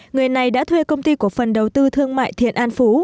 người này đã thuê công ty cổ phần đầu tư thương mại thiện an phú